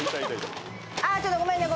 あちょっとごめんね。